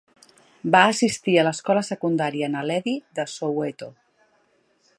Va assistir a l'escola secundària Naledi de Soweto.